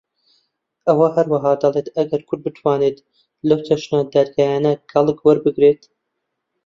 ئەو هەروەها دەڵێت ئەگەر کورد بتوانێت لەو چەشنە دادگایانە کەڵک وەربگرێت